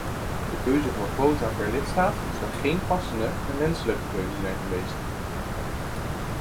De keuze voor quota per lidstaat zou geen passende en wenselijke keuze zijn geweest.